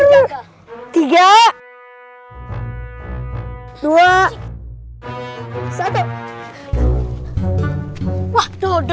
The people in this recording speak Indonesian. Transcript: ya gak lupa